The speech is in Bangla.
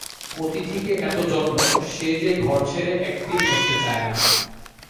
অতিথিকে এত যত্ন, সে যে ঘর ছেড়ে এক তিল নড়তে চায় না।